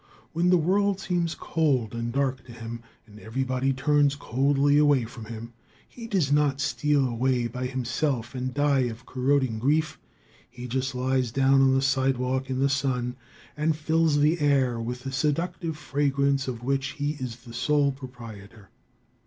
When the world seems cold and dark to him, and everybody turns coldly away from him, he does not steal away by himself and die of corroding grief; he just lies down on the sidewalk in the sun and fills the air with the seductive fragrance of which he is the sole proprietor.